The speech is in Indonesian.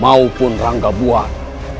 maupun rangga buat